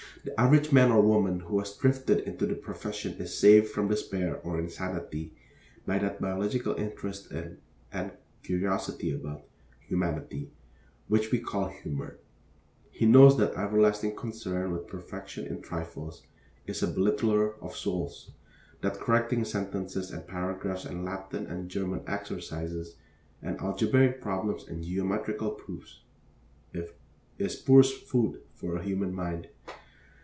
The average man or woman who has drifted into the profession is saved from despair or insanity by that biological interest in, and curiosity about, humanity, which we call humor. He knows that everlasting concern with perfection in trifles is a belittler of souls; that correcting sentences and paragraphs and Latin and German exercises and algebraic problems and geometrical proofs is poor food for a human mind.